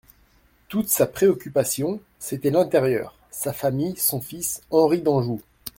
Toute sa préoccupation, c'était l'intérieur, sa famille, son fils Henri d'Anjou.